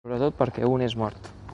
Sobretot perquè un és mort.